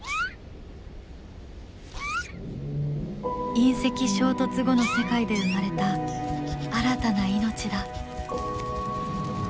隕石衝突後の世界で生まれた新たな命だ。